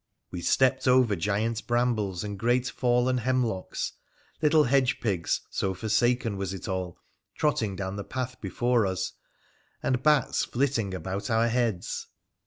We stepped over giant brambles and great fallen hemlocks— little hedge pigs, so forsaken was it all, trotting down the path before us — and bats flitting about our heads.